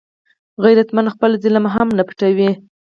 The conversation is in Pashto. غیرتمند خپل ظلم هم نه پټوي